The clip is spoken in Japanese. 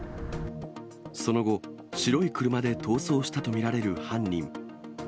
その後、白い車で逃走したと見られる犯人。